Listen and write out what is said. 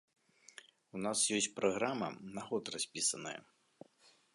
У нас ёсць праграма, на год распісаная.